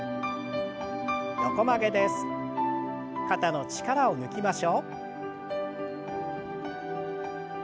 肩の力を抜きましょう。